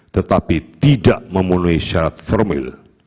tetapi tidak memenuhi syarat formil